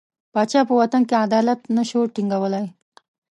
پاچا په وطن کې عدالت نه شو ټینګولای.